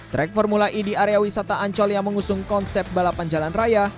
track formula e di area wisata ancol yang mengusung konsep balapan jalan raya